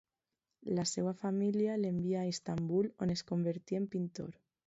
La seva família l'envià a Istanbul, on es convertí en pintor.